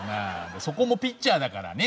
そこもピッチャーだからね